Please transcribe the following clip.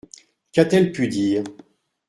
Qu’a-t-elle pu dire ?…